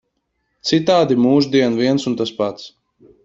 Citādi mūždien viens un tas pats.